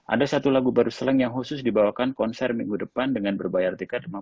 ada satu lagu baru selang yang khusus dibawakan konser minggu depan dengan berbayar tiket